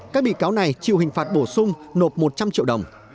các bị cáo này chịu hình phạt bổ sung nộp một trăm linh triệu đồng